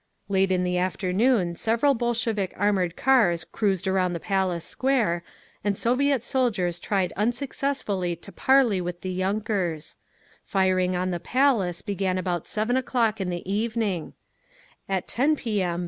Late in the afternoon several Bolshevik armoured cars cruised around the Palace Square, and Soviet soldiers tried unsuccessfully to parley with the yunkers…. Firing on the Palace began about 7 o'clock in the evening…. At 10 P. M.